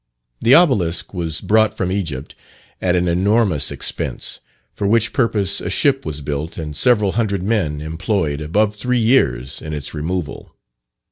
The obelisk was brought from Egypt at an enormous expense; for which purpose a ship was built, and several hundred men employed above three years in its removal.